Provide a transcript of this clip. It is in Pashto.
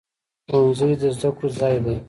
ښوونځی د زده کړې ځای دی